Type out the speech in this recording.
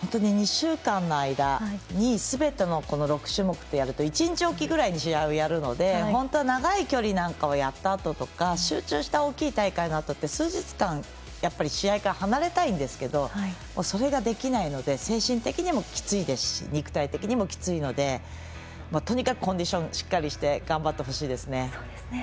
２週間の間にすべて６種目やるとなると１日おきぐらいに試合をやるので長い距離をやったあととか集中した大きい大会のあとって数日間、試合から離れたいんですけどそれができないので精神的にもきついですし肉体的にもきついのでとにかくコンディションをしっかりして頑張ってほしいですね。